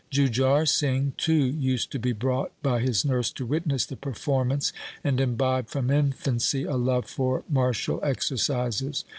Jujhar Singh too used to be brought by his nurse to witness the performance and imbibe from infancy a love for martial exer cises.